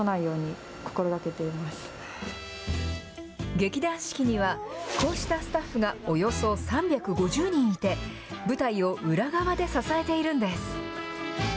劇団四季には、こうしたスタッフがおよそ３５０人いて、舞台を裏側で支えているんです。